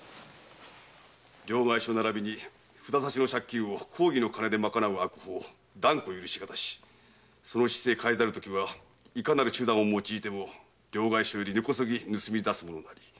「両替商ならびに札差の借金を公儀の金で賄う悪法断固許し難し」「その姿勢変えざるときはいかなる手段を用いても両替商より根こそぎ盗み出すものなり。